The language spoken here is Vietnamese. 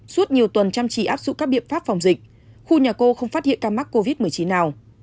suốt nhiều tuần chăm chỉ áp dụng các biện pháp phòng dịch khu nhà cô không phát hiện ca mắc covid một mươi chín nào